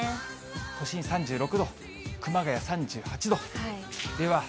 都心３６度、熊谷３８度。